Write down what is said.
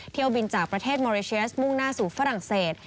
เที่ยวบินจากประเทศมอเรเชสมุ่งหน้าสู่ฝรั่งเศส